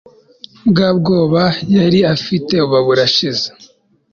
bwa bwoba yari afite buba burashize